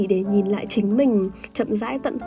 mình thấy mình vẫn yêu